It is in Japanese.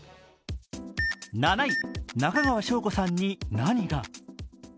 ７位、中川翔子さんに何が？